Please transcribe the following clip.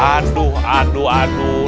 aduh aduh aduh